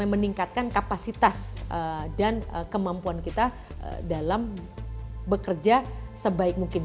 meningkatkan kapasitas dan kemampuan kita dalam bekerja sebaik mungkin